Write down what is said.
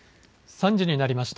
３時になりました。